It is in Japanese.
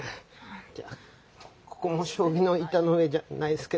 ここも将棋の板の上じゃないですけど。